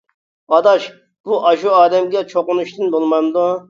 ئاداش، بۇ ئاشۇ ئادەمگە چوقۇنۇشتىن بولمامدۇ.